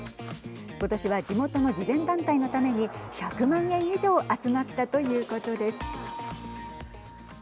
今年は地元の慈善団体のために１００万円以上集まったということです。